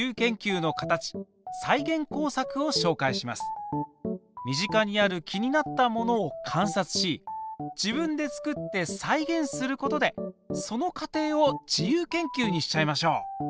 続いては身近にある気になったものを観察し自分で作って再現することでその過程を自由研究にしちゃいましょう！